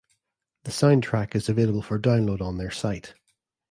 The soundtrack is available for download on their site.